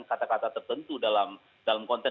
kata kata tertentu dalam konteks